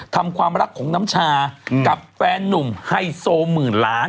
ความรักของน้ำชากับแฟนนุ่มไฮโซหมื่นล้าน